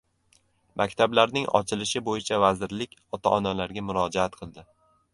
Maktablarning ochilishi bo‘yicha vazirlik ota-onalarga murojaat qildi